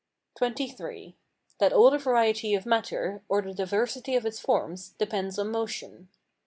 XXIII. That all the variety of matter, or the diversity of its forms, depends on motion.